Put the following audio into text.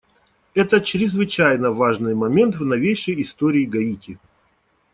Это чрезвычайно важный момент в новейшей истории Гаити.